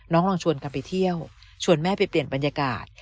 ลองชวนกันไปเที่ยวชวนแม่ไปเปลี่ยนบรรยากาศ